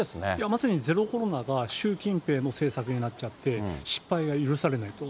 まさにゼロコロナが習近平の政策になっちゃって、失敗が許されないと。